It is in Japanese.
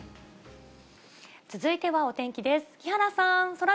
続いてはお天気です。